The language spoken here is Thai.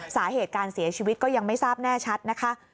สาเหตุการเสียชีวิตก็ยังไม่ทราบแน่ชัดนะคะ